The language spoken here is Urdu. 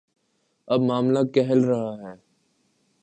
اب معاملہ کھل رہا ہے۔